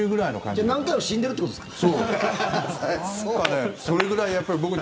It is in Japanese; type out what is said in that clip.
じゃあ何回も死んでるってことですか？